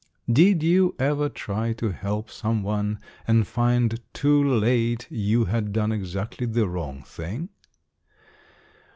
Did you ever try to help some one and find too late you had done exactly the wrong thing?